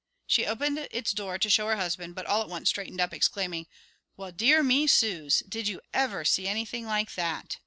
She opened its door to show her husband, but all at once straightened up, exclaiming, "Well, dear me suz did you ever see anything like that?"